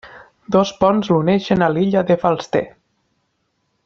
Dos ponts l'uneixen a l'illa de Falster.